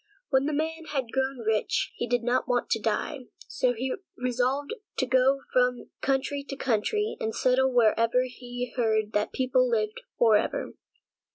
When the man had grown rich he did not want to die, so he resolved to go from country to country and settle wherever he heard that the people lived forever.